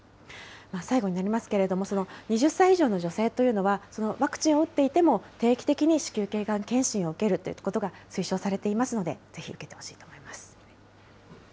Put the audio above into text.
最後になりますけれども、２０歳以上の女性というのは、ワクチンを打っていても定期的に子宮けいがん検診を受けるということが推奨されていますので、ぜひ、受けてほしいと思います。